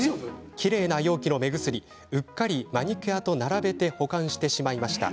きれいな容器の目薬うっかりマニキュアと並べて保管してしまいました。